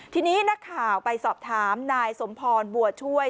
ทีนี้นักข่าวไปสอบถามนายสมพรบัวช่วย